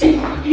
ini pasti jin